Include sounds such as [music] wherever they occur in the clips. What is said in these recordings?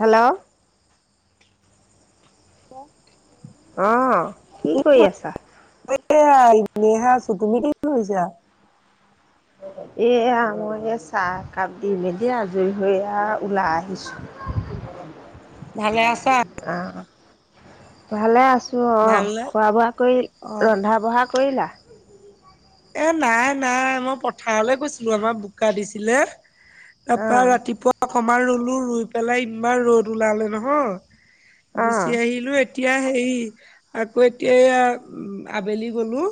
Hello. [unintelligible] অ, কি কৰি আছা? এয়া এনেহে আছো, তুমি কি কৰিছা? এয়া মই এই চাহ কাপ দি মেলি আজৰি হৈ এয়া ওলাই আহিছো। ভালে আছা? [unintelligible] আ। ভালে আছো অ। ভালনে? খোৱা-বোৱা কৰি অ' ৰন্ধা-বঢ়া কৰিলা? এ নাই, নাই। মই পথাৰলে গৈছিলো, আমাৰ বোকা দিছিলে। তাপা অঁ ৰাতিপুৱা অকমান ৰুলো। ৰুই পেলাই ইমান ৰ'দ ওলালে নহয়। অঁ গুচি আহিলো এ তিয়া হেই আকৌ এতিয়া এইয়া আবেলি গ'লো।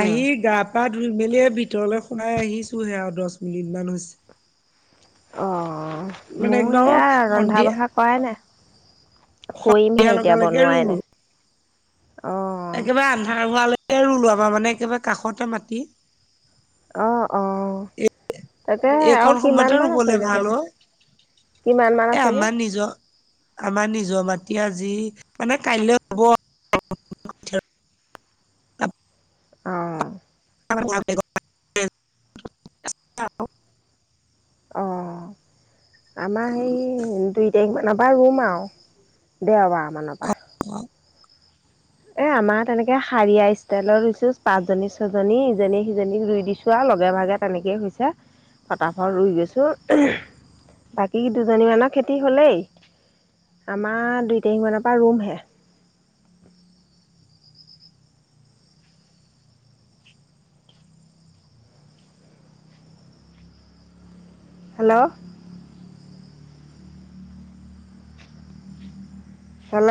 আহি গা-পা ধুই মেলি এই ভিতৰলৈ শুনাই আহিছোহে আও দচি মিনিট মান হৈছে। অ, মানে মও একদম এয়া সন্ধিয়া ৰন্ধা-বহা কৰাই নাই। সন্ধিয়া কৰিমহে এতিয়া লগালৈকে বনোৱাই ৰুলো। নাই। অঁ একেবাৰে আন্ধাৰ হোৱালৈকে ৰুলো। আমাৰ মানে একেবাৰে কাষতে মাটি। অ, অ। তাকেহে আৰু এইকণ সময়তে কিমান মান ৰুবলে আছেগে ভাল চাগে? অ কিমান মান আছেগে? নিজৰ আমা নিজৰ মাটি আজি মানে কাইলৈ হ'ব অ। [unintelligible] অ। আমাৰ হেই দুই তাৰিখ মানৰ পা ৰুম আও, দেওবাৰ মান পা। এ আমাৰ তেনেকে শাৰিয়া ষ্টাইলত ৰুইছো। পাঁচজনী, ছজনী ইজনীয়ে সিজনীক ৰুই দিছো আ লগে-ভাগে তেনেকেই হৈছে। ফটাফত ৰুই গৈছো। বাকী দুজনীমানৰ খেতি হ'লেই। আমা দুই তাৰিখ মানৰ পৰা ৰুমহে। হেল্ল। হেল্ল।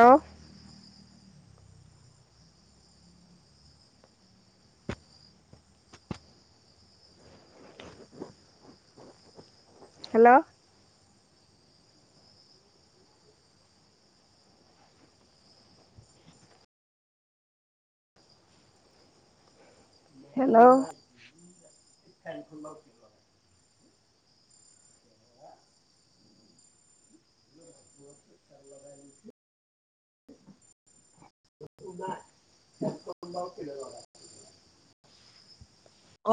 হেল্ল। হেল্ল'। [unintelligible] [unintelligible]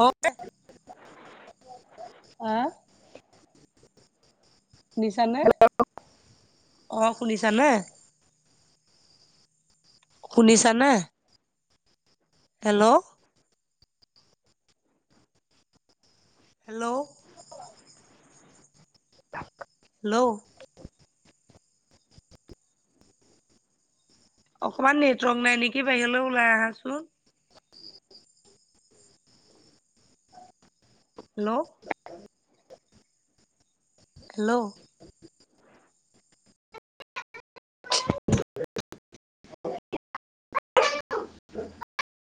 অ [unintelligible] আ? শুনিছানে? অ, শুনিছানে? শুনিছানে? হেল্ল'। হেল্ল'। হেল্ল'। অকমান নেটৱৰ্ক নাই নেকি, বাহিৰলে ওলাই আহাচোন। হেল্ল'। হেল্ল'। [inaudible] [inaudible] [inaudible]